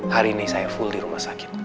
hari ini saya full di rumah sakit